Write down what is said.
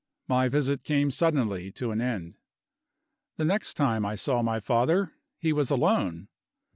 My visit came suddenly to an end. The next time I saw my father, he was alone.